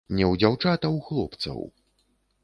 Не ў дзяўчат, а ў хлопцаў.